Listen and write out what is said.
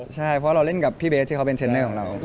ใช่เพราะเราเล่นกับพี่เบสที่เขาเป็นเทรนเนอร์ของเรา